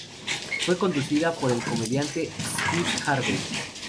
Fue conducida por el comediante Steve Harvey.